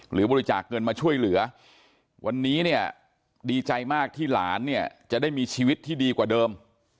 หรือบริจาคเงินมาช่วยเหลือวันนี้เนี่ยดีใจมากที่หลานเนี่ยจะได้มีชีวิตที่ดีกว่าเดิม